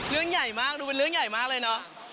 เรื่องใหญ่มากดูเป็นเรื่องใหญ่มากเลยเนอะ